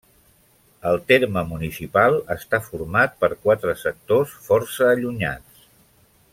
El terme municipal està format per quatre sectors força allunyats.